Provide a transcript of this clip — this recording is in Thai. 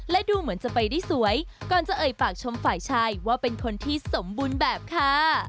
และดูเหมือนจะไปได้สวยก่อนจะเอ่ยปากชมฝ่ายชายว่าเป็นคนที่สมบูรณ์แบบค่ะ